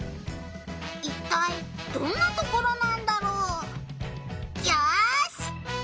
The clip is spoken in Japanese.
いったいどんなところなんだろう？よし！